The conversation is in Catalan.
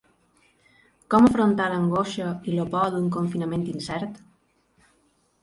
Com afrontar l’angoixa i la por d’un confinament incert?